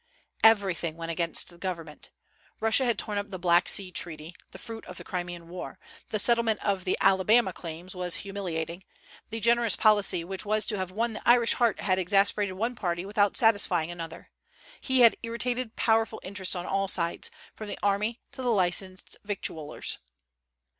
Everything went against the government. Russia had torn up the Black Sea treaty, the fruit of the Crimean war; the settlement of the "Alabama" claims was humiliating; "the generous policy which was to have won the Irish heart had exasperated one party without satisfying another. He had irritated powerful interests on all sides, from the army to the licensed victuallers."